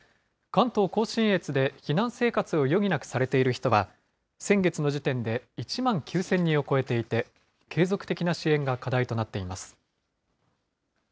関東甲信越で避難生活を余儀なくされている人は、先月の時点で１万９０００人を超えていて、継続的な支援が課題となっています。